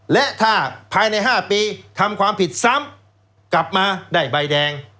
และถ้าภายใน๕ปีทำความผิดซ้ำกลับมาได้ใบแดง